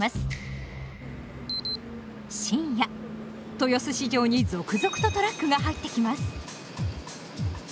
深夜豊洲市場に続々とトラックが入ってきます。